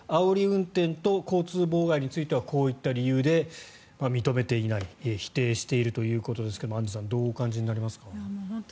運転と交通妨害についてはこういった理由で認めていない否定しているということですがアンジュさんどうお感じになりますか？